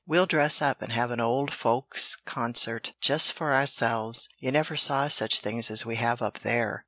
We'll dress up and have an old folks' concert, just for ourselves. You never saw such things as we have up there!"